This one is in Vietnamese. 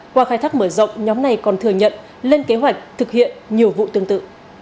qua khai thác mở rộng nhóm này còn thừa nhận lên kế hoạch thực hiện nhiều vụ tương tự